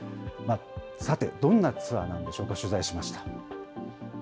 さて、どんなツアーなんでしょうか、取材しました。